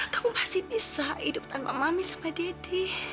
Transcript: kamu pasti bisa hidup tanpa mami sama daddy